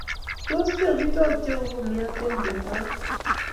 Tos mi amitwogik cheuu kumyo eng' Japan?